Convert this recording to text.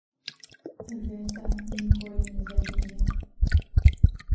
Гэта ніколі не загіне.